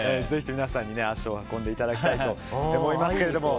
ぜひとも皆さん足を運んでいただきたいと思います。